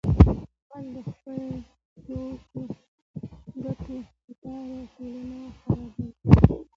غل د خپلو ګټو لپاره ټولنه خرابوي